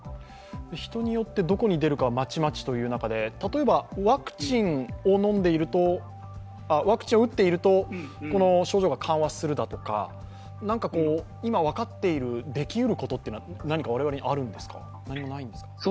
人によってどこに出るかはまちまちということで、ワクチンを打っているとこの症状が緩和するだとか、何か今分かっている、できうることは我々はあるんですか。